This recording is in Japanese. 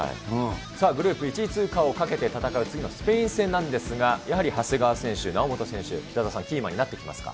さあ、グループ１位通過をかけて戦う次のスペイン戦なんですが、やはり長谷川選手、猶本選手、北澤さん、キーマンになってきますか。